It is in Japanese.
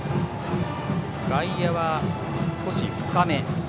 外野は少し深め。